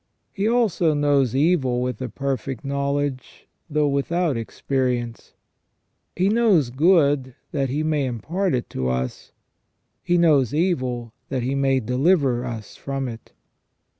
He also knows evil with a perfect knowledge, though without experience. He knows good AND THE REDEMPTION OF CHRIST. 307 that He may impart it to us ; He knows evil that He may deliver us from it.